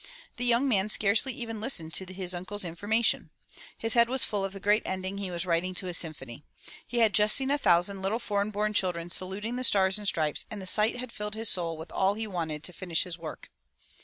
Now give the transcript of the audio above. The young man scarcely even listened to his uncle's information. His head was full of the great ending he was writing to his symphony. He had just seen a thousand little foreign born children saluting the Stars and Stripes, and the sight had filled his soul with all he wanted to finish his work.